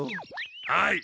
はい。